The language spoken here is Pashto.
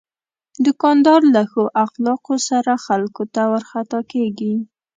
دوکاندار له ښو اخلاقو سره خلکو ته ورخطا کېږي.